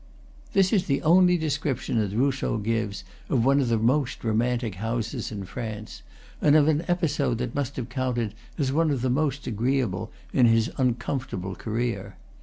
This is the only description that Rousseau gives of one of the most romantic houses in France, and of an episode that must have counted as one of the most agreeable in his uncomfortable career.